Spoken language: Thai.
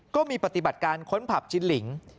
ปฏิบัติการค้นผับจินหลิง